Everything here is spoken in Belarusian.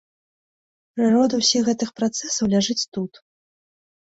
Прырода ўсіх гэтых працэсаў ляжыць тут.